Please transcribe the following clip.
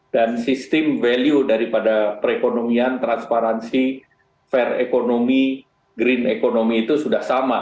dan sistem value daripada perekonomian transparansi fair economy green economy itu sudah sama